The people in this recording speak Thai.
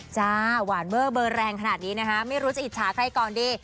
จ้าหวานเวอร์เบอร์แรงขนาดนี้นะคะไม่รู้จะอิจฉาใครก่อนดี